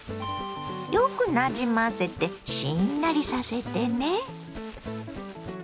よくなじませてしんなりさせてね。